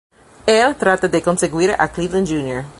Él trata de conseguir a Cleveland Jr.